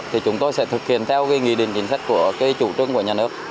thì chúng tôi sẽ thực hiện theo cái nghị định chính sách của cái chủ trương của nhà nước